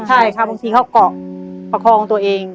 ใช่ค่ะบางทีเขาเกาะประคองตัวเอง